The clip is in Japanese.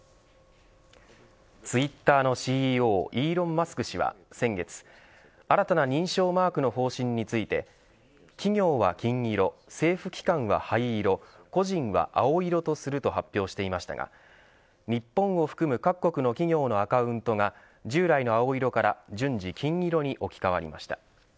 ツイッターのＣＥＯイーロン・マスク氏は先月新たな認証マークの方針について企業は金色、政府機関は灰色個人は青色とすると発表していましたが日本を含む各国の企業のアカウントが従来の青色から順次、金色に置き換わりました。